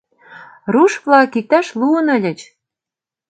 Руш-влак иктаж луын ыльыч.